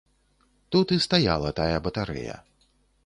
Тут і стаяла тая батарэя.